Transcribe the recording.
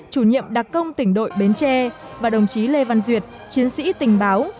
chủ nhiệm đặc công tỉnh đội bến tre và đồng chí lê văn duyệt chiến sĩ tình báo